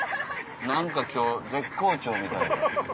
何か今日絶好調みたいで。ハハハ。